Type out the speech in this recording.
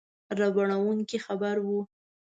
ربړوونکی خبر وو.